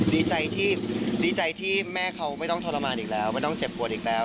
ดีใจที่ดีใจที่แม่เขาไม่ต้องทรมานอีกแล้วไม่ต้องเจ็บปวดอีกแล้ว